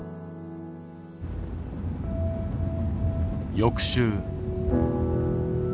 翌週。